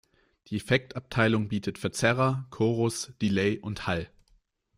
Die Effekt-Abteilung bietet Verzerrer, Chorus, Delay und Hall.